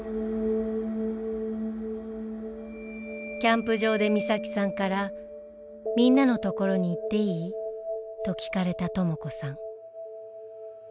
キャンプ場で美咲さんから「みんなのところに行っていい？」と聞かれたとも子さん。